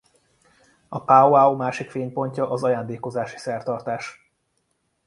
A pow-wow másik fénypontja az ajándékozási szertartás.